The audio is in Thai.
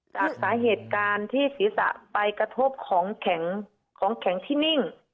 จากสาเหตุการณ์ที่ศีรษะไปกระทบของแข็งของแข็งที่นิ่ง